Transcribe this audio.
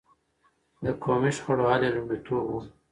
د قومي شخړو حل يې لومړيتوب و.